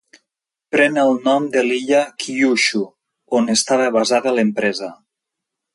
Pren el nom de l'illa Kyushu, on estava basada l'empresa.